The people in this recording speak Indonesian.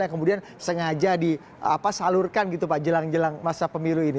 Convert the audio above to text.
yang kemudian sengaja disalurkan jelang jelang masa pemilu ini